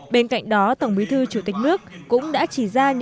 bên cạnh đó tổng bí thư chủ tịch nước cũng đã chỉ ra những tồn tại hạn chế